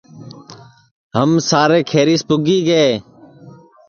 ہم سارے کھیریس پُگی گے